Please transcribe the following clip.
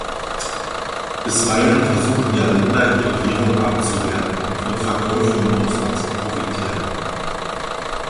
Bisweilen versuchen ja Länder, ihre Währung abzuwerten, um von Verkäufen im Ausland zu profitieren.